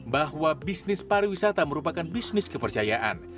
bahwa bisnis pariwisata merupakan bisnis kepercayaan